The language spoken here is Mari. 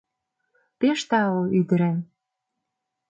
— Пеш тау, ӱдырем.